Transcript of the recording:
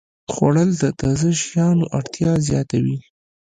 خوړل د تازه شیانو اړتیا زیاتوي